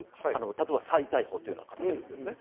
例えば再逮捕という形ですね。